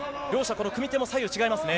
この組み手も左右違いますね。